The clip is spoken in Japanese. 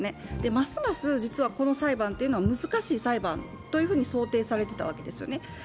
ますます実はこの裁判というのは難しい裁判と想定されていたわけですよね。